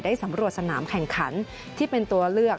สำรวจสนามแข่งขันที่เป็นตัวเลือก